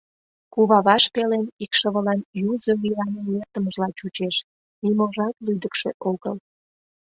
Куваваж пелен икшывылан юзо вийлан эҥертымыжла чучеш — ниможат лӱдыкшӧ огыл.